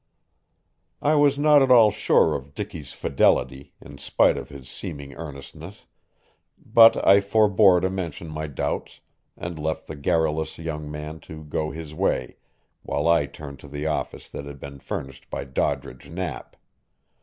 I was not at all sure of Dicky's fidelity, in spite of his seeming earnestness, but I forbore to mention my doubts, and left the garrulous young man to go his way while I turned to the office that had been furnished by Doddridge Knapp.